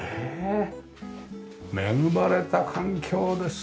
恵まれた環境です。